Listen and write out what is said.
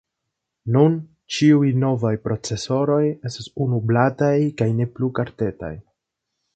Nun ĉiuj novaj procesoroj estas unu-blataj kaj ne plu kartetaj.